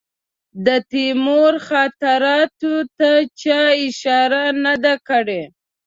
د تیمور خاطراتو ته چا اشاره نه ده کړې.